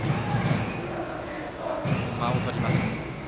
間をとります。